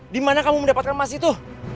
di mana kamu mendapatkan emas itu